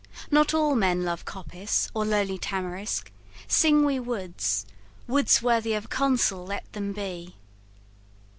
Not all men love Coppice or lowly tamarisk: sing we woods, Woods worthy of a Consul let them be.